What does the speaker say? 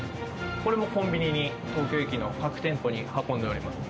これもコンビニに東京駅の各店舗に運んでおります。